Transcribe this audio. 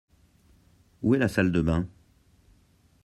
Où est la salle de bains ?